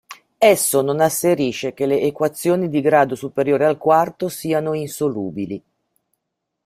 Esso non asserisce che le equazioni di grado superiore al quarto siano insolubili.